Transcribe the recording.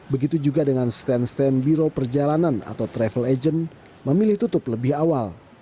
begitu juga dengan stand stand biro perjalanan atau travel agent memilih tutup lebih awal